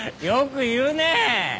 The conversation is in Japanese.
よく言うねえ。